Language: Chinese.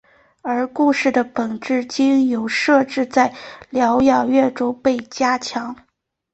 而故事的本质经由设置在疗养院中被加强。